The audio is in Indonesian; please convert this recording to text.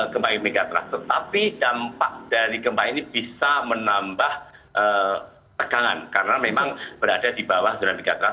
gempa megatrust tetapi dampak dari gempa ini bisa menambah tegangan karena memang berada di bawah zona megatrust